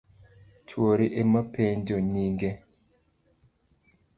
Chuori emopenjo nyinge.